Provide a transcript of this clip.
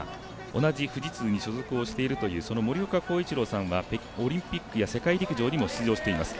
同じ富士通に所属しているという森岡紘一朗さんはオリンピックや世界陸上にも出場しています。